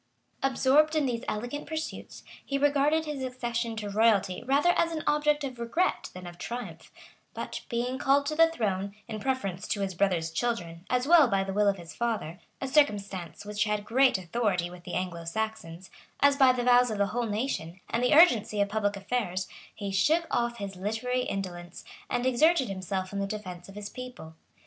Absorbed in these elegant pursuits, he regarded his accession to royalty rather as an object of regret than of triumph;[] but being called to the throne, in preference to his brother's children, as well by the will of his father, a circumstance which had great authority with the Anglo Saxons[] as by the vows of the whole nation, and the urgency of public affairs, he shook off his literary indolence, and exerted himself in the defence of his people.